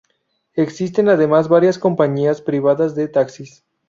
Existen además varias compañías privadas de taxis.